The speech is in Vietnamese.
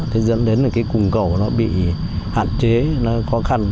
thì dẫn đến là cái cùng cầu nó bị hạn chế nó khó khăn